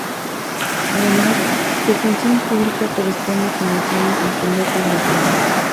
Además, su función pública corresponde con los años en que Lope lo aclama.